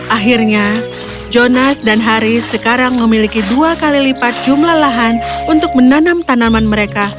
akhirnya jonas dan haris sekarang memiliki dua kali lipat jumlah lahan untuk menanam tanaman mereka